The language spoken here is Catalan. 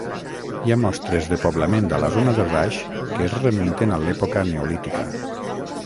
Hi ha mostres de poblament a la zona de Rush que es remunten a l'època neolítica.